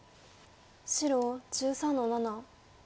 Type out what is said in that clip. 白１３の七。